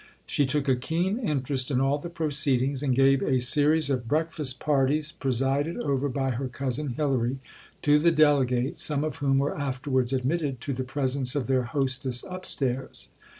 She took a keen interest in all the proceedings, and gave a series of breakfast parties, presided over by her cousin Hilary, to the delegates, some of whom were afterwards admitted to the presence of their hostess upstairs.